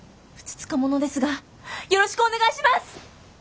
ふつつか者ですがよろしくお願いします！